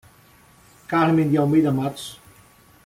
Carmem de Almeida Matos